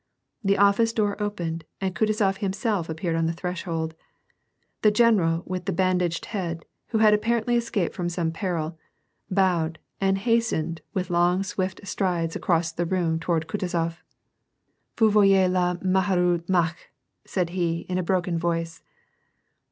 The office door opened, and Kutuzof himself appeared on the threshold. The general with the bandaged head, who had appai*ently escaped from some peril, bowed, and hastened, with long, swift strides across the room, toward Kutuzof. " Vous voyez le malheiireiix Mack I "* said he, in a broken voice.